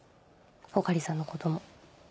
穂刈さんのことも。